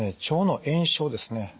腸の炎症ですね